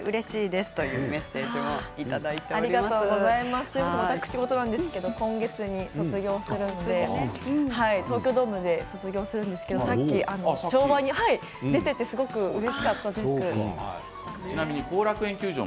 すみません私事なんですが今月に卒業するので東京ドームで卒業するんですけどさっき昭和に出ていてすごくうれしかったです。